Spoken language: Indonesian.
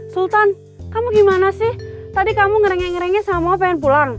sultan kamu gimana sih tadi kamu ngerengek ngerengek sama mama pengen pulang